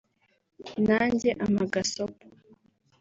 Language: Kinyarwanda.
nanjye ampa gasopo